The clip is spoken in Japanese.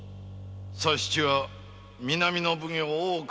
佐七は南の奉行大岡